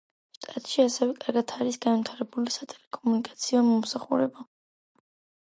შტატში ასევე კარგად არის განვითარებული სატელეკომუნიკაციო მომსახურება.